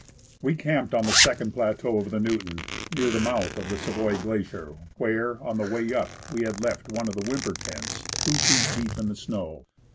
We camped on the second plateau of the Newton, near the mouth of the Savoy Glacier, where, on the way up, we had left one of the Whymper tents two feet deep in the snow.